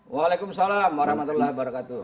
waalaikumsalam warahmatullah wabarakatuh